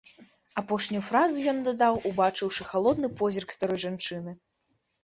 Апошнюю фразу ён дадаў, убачыўшы халодны позірк старой жанчыны.